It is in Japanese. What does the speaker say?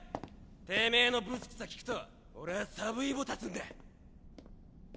てめのブツクサ聞くと俺ぁサブイボ立つんだ。